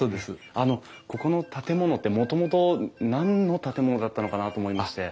あのここの建物ってもともと何の建物だったのかなと思いまして。